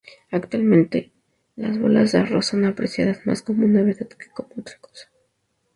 Actualmente las bolas de arroz son apreciadas más como novedad que como otra cosa.